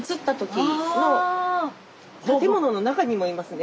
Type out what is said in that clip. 建物の中にもいますね。